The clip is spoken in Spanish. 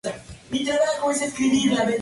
Lo probaron y se quedó en el club.